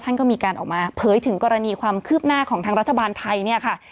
ท่านก็มีการออกมาเผยถึงกรณีความคืบหน้าของทางรัฐบาลไทยเนี่ยค่ะ